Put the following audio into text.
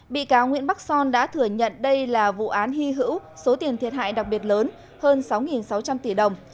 bị cáo nguyễn bắc son đã thừa nhận đây là vụ án hy hữu số tiền thiệt hại đặc biệt lớn hơn sáu sáu trăm linh tỷ đồng